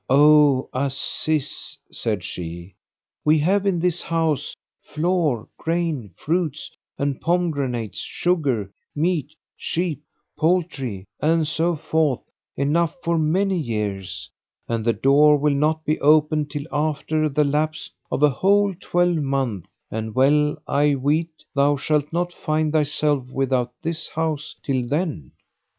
"O Aziz," said she, "We have in this house flour, grain, fruits and pomegranates; sugar, meat, sheep, poultry and so forth enough for many years; and the door will not be opened till after the lapse of a whole twelvemonth and well I weet thou shalt not find thyself without this house till then."